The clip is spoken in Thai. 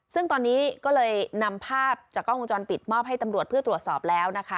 ซึ่งตอนนี้ก็เลยนำภาพจากกล้องวงจรปิดมอบให้ตำรวจเพื่อตรวจสอบแล้วนะคะ